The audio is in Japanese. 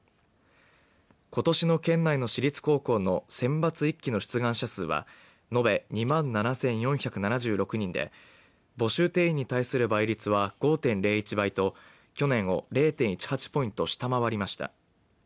ことしの県内の私立高校の選抜１期の出願者数は延べ２万７４７６人で募集定員に対する倍率は５．０１倍と去年を０．１８ポイント下回りました。